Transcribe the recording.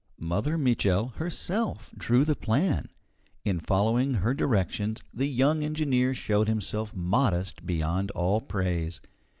Mother Mitchel herself drew the plan; in following her directions, the young engineer showed himself modest beyond all praise.